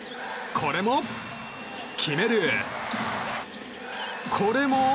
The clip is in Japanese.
これも決める！